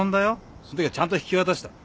そのときはちゃんと引き渡した。